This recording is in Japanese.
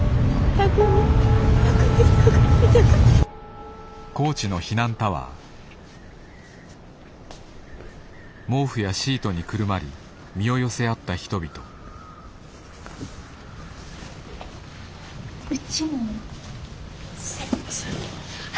すいませんもう。